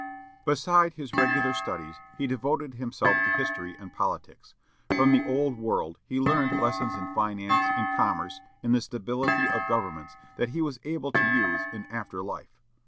Beside his regular studies, he devoted himself to history and politics. From the old world he learned lessons in finance, in commerce, in the stability of governments, that he was able to use in after life.